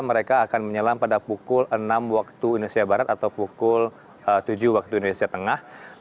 mereka akan menyelam pada pukul enam waktu indonesia barat atau pukul tujuh waktu indonesia tengah